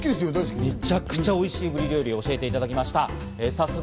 めちゃくちゃおいしいブリ料理を教えていただきました。